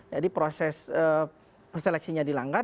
jadi proses seleksinya dilanggar